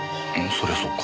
そりゃそうか。